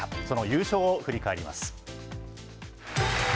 その優勝を振り返ります。